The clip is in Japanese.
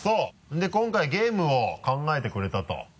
で今回ゲームを考えてくれたと。